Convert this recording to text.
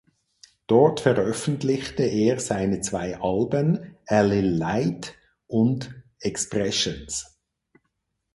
Dort veröffentlichte er seine zwei Alben "A Lil’ Light" und "Expressions".